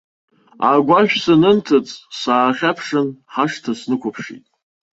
Агәашә санынҭыҵ, саахьаԥшын, ҳашҭа снықәыԥшит.